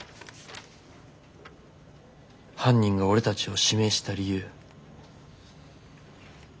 犯人が俺たちを指名した理由。